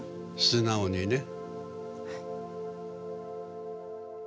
素直にね。